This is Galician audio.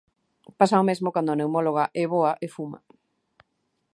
Pasa o mesmo cando a pneumóloga é boa e fuma.